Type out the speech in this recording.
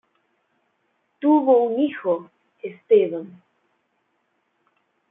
Tuvo un hijo, Esteban.